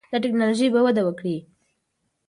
دا ټکنالوژي به وده وکړي.